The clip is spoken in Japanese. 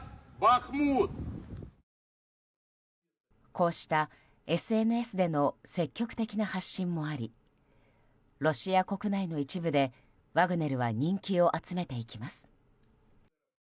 こうしたＳＮＳでの積極的な発信もありロシア国内の一部で、ワグネルは人気を集めていきます。